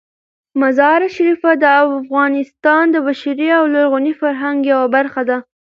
مزارشریف د افغانستان د بشري او لرغوني فرهنګ یوه برخه ده.